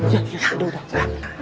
ya ya dulu pak